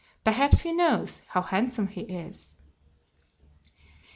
Perhaps he knows how handsome he is.